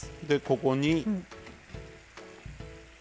でここに。